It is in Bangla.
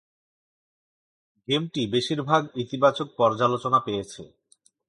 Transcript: গেমটি বেশিরভাগ ইতিবাচক পর্যালোচনা পেয়েছে।